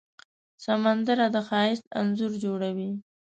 سندره د ښایست انځور جوړوي